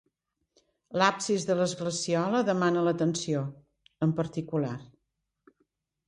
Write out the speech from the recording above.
L'absis de l'esglesiola demana l'atenció, en particular.